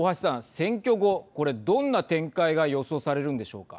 選挙後これどんな展開が予想されるんでしょうか。